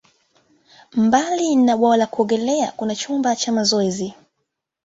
Mbali na bwawa la kuogelea, kuna chumba cha mazoezi.